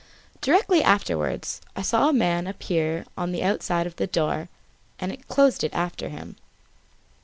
Directly afterwards I saw a man appear on the outside of the door, and close it after him.